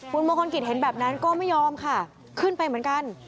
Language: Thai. คุณมงคลกิจเห็นแบบนั้นก็ไม่ยอมค่ะขึ้นไปเหมือนกัน